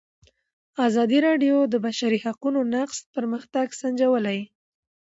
ازادي راډیو د د بشري حقونو نقض پرمختګ سنجولی.